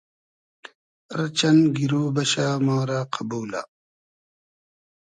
ار چئن گیرۉ بئشۂ ما رۂ قئبولۂ